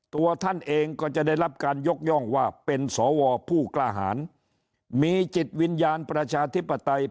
ตัวท่านเองก็จะได้รับการยกย่องว่าเป็นสวผู้กล้าหารมีจิตวิญญาณประชาธิปไตย